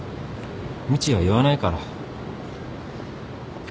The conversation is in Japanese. みちは言わないから。